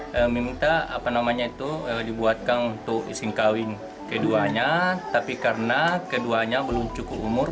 saya meminta apa namanya itu dibuatkan untuk ising kawin keduanya tapi karena keduanya belum cukup umur